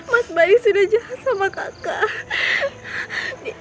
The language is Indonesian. mas bayi sudah jahat sama kakak